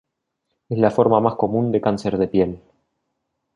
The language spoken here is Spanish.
Es la forma más común de cáncer de piel.